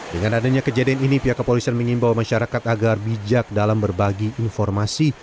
dengan adanya kejadian ini pihak kepolisian mengimbau masyarakat agar bijak dalam berbagi informasi